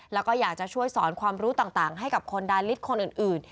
แล้วก็อยากจะช่วยสอนความรู้ต่างให้กับคนดาริสคนอื่น